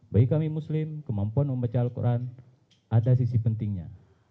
bagi kami muslim kemampuan membaca al quran ada sisi pentingnya